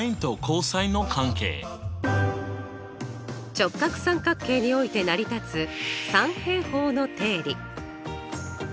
直角三角形において成り立つ三平方の定理。